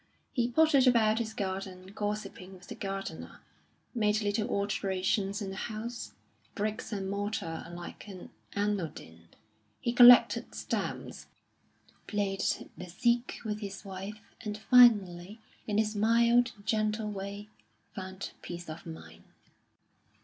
He pottered about his garden gossiping with the gardener; made little alterations in the house bricks and mortar are like an anodyne; he collected stamps; played bezique with his wife; and finally, in his mild, gentle way, found peace of mind.